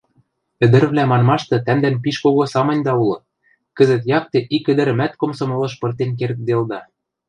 — Ӹдӹрвлӓ манмашты тӓмдӓн пиш кого самыньда улы: кӹзӹт якте ик ӹдӹрӹмӓт комсомолыш пыртен кердделда.